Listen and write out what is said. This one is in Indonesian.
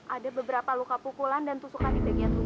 ada beberapa luka pukulan dan tusukan di bagian tubuh